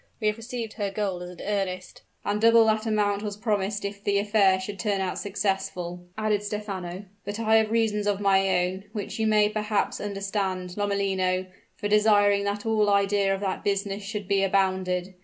We have received her gold as an earnest " "And double that amount was promised if the affair should turn out successful," added Stephano. "But I have reasons of my own, which you may perhaps understand, Lomellino, for desiring that all idea of that business should be abandoned.